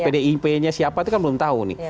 pdip nya siapa itu kan belum tahu nih